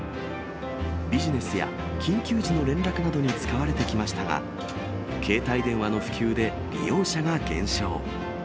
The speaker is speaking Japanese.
ビジネスや緊急時の連絡などに使われてきましたが、携帯電話の普及で利用者が減少。